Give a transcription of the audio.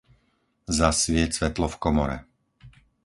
Zasvieť svetlo v komore.